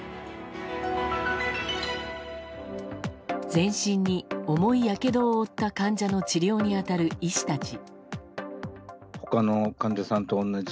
全身に重いやけどを負った患者の治療に当たる医師たち。